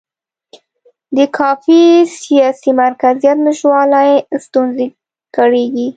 د کافي سیاسي مرکزیت نشتوالي ستونزې کړېږي.